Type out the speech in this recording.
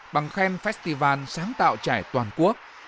bằng khen festival sáng tạo trẻ toàn quốc